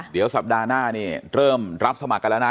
เดี๋ยวสัปดาห์หน้านี่เริ่มรับสมัครกันแล้วนะ